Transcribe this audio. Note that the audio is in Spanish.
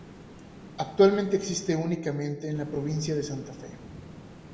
Actualmente existe únicamente en la provincia de Santa Fe.